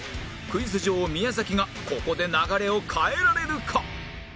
クイズ女王宮崎がここで流れを変えられるか？